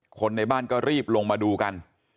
คนในบ้านก็รีบลงมาดูกัน